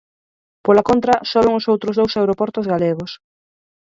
Pola contra, soben os outros dous aeroportos galegos.